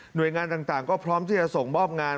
โดยงานต่างก็พร้อมที่จะส่งมอบงาน